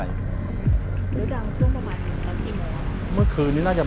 ไม่รู้ว่ามีคนติดละนาด